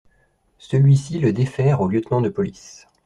Celui-ci le défère au lieutenant de police.